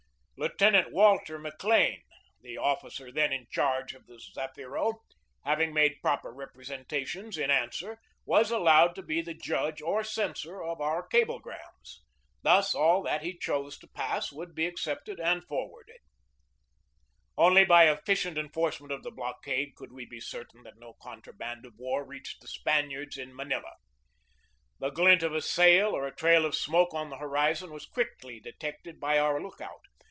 Lieutenant Walter McLean, the officer then in charge of the Zafiro, having made proper representations in answer, was allowed to be the judge or censor of our cablegrams. Thus, all that he chose to pass would be accepted and for warded. Only by efficient enforcement of the blockade could we be certain that no contraband of war reached the Spaniards in Manila. The glint of a sail or a 242 GEORGE DEWEY trail of smoke on the horizon was quickly detected by our lookout.